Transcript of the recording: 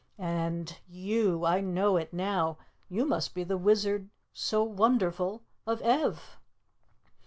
"And you, I know it now, you must be the Wizard so wonderful of Ev?"